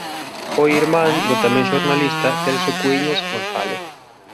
Foi irmán do tamén xornalista Celso Cuíñas González.